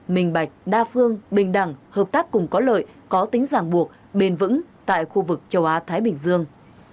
minh bạch đa phương bình đẳng hợp tác cùng có lợi có tính giảng buộc bền vững tại khu vực châu á thái bình dương